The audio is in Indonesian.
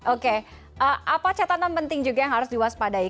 oke apa catatan penting juga yang harus diwaspadai